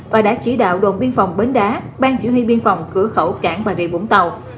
và đã chỉ đạo đồn biên phòng bến đá bang chỉ huy biên phòng cửa khẩu cảng bà rịa vũng tàu